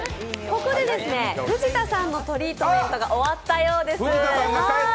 ここで藤田さんのトリートメントが終わったようです。